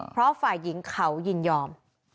เพราะฝ่ายหญิงเขายินยอม